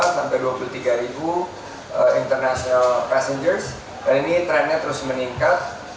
dua puluh dua sampai dua puluh tiga ribu international passengers dan ini trennya terus meningkat